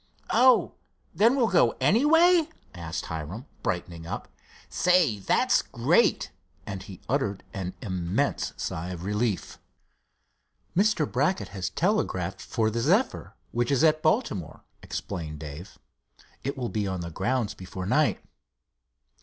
"Oh, then we'll go anyway?" asked Hiram, brightening up. "Say, that's great!" and he uttered an immense sigh of relief. "Mr. Brackett has telegraphed for the Zephyr, which is at Baltimore," explained Dave. "It will be on the grounds before night."